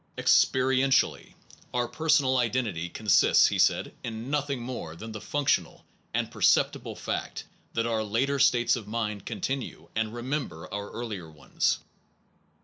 Experientially , our personal identity consists, he said, in nothing more than the functional and perceptible fact that our later states of mind continue and re member our earlier ones.